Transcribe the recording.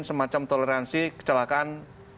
semacam toleransi kecelakaan